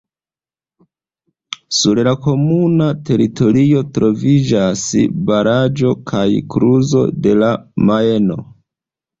Sur la komunuma teritorio troviĝas baraĵo kaj kluzo de la Majno.